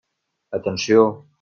Atenció!